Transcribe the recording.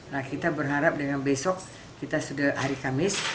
nah kita berharap dengan besok kita sudah hari kamis